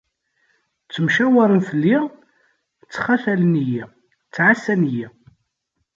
Ttemcawaren fell-i, ttxatalen-iyi, ttɛassan-iyi.